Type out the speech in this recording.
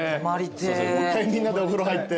もう一回みんなでお風呂入って。